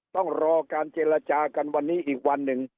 ต้องรอการเจรจากันวันนี้อีกวันหนึ่ง